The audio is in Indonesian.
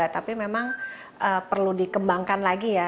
tapi memang perlu dikembangkan lagi ya